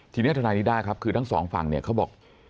ทีนี้ทนายนิด้าครับคือทั้งสองฝั่งเนี่ยเขาบอก